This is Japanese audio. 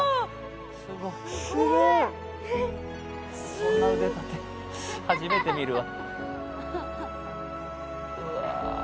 こんな腕立て初めて見るわ。